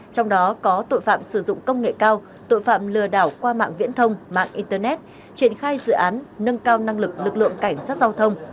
trong đó có tội phạm sử dụng công nghệ cao tội phạm lừa đảo qua mạng viễn thông mạng internet triển khai dự án nâng cao năng lực lực lượng cảnh sát giao thông